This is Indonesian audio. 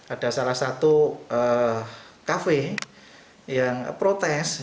ada salah satu kafe yang protes